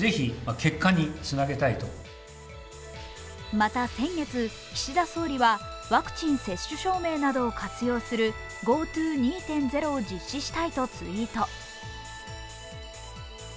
また先月、岸田総理はワクチン接種証明などを活用するＧｏＴｏ２．０を実施したいとツイート。